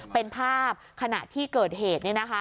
เป็นภาพขณะที่เกิดเหตุ